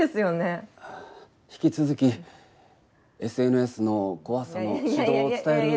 ああ引き続きＳＮＳの怖さの指導を伝える。